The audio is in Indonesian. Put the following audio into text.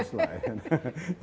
harus lah ya